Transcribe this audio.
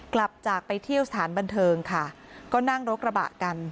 กลับจากไปเที่ยวสถานบันเทิงค่ะก็นั่งรถกระบะกัน